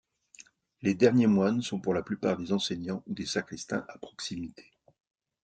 Les derniers moines sont pour la plupart des enseignants ou des sacristains à proximité.